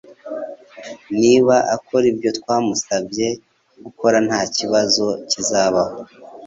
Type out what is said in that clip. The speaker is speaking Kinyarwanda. Niba akora ibyo twamusabye gukora ntakibazo kizabaho